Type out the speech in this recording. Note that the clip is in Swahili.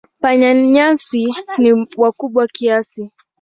Panya-nyasi ni wakubwa kiasi.